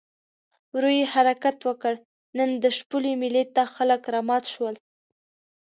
ورو یې حرکت وکړ، نن د شپولې مېلې ته خلک رامات شول.